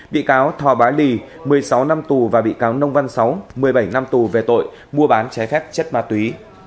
bị cáo thò bá lì một mươi sáu năm tù và bị cáo nông văn sáu một mươi bảy năm tù về tội mua bán trái phép chất ma túy